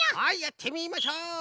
はいやってみましょう。